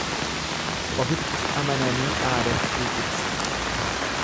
Ofitti amananii dhaadachuu ibsa.